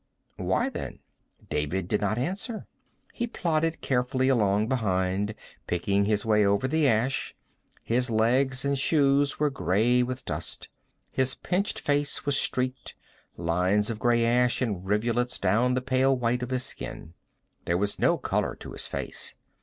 "Why, then?" David did not answer. He plodded carefully along behind, picking his way over the ash. His legs and shoes were gray with dust. His pinched face was streaked, lines of gray ash in riverlets down the pale white of his skin. There was no color to his face.